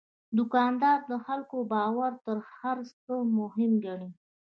دوکاندار د خلکو باور تر هر څه مهم ګڼي.